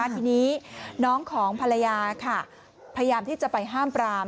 ทีนี้น้องของภรรยาพยายามที่จะไปห้ามปราม